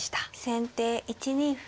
先手１二歩。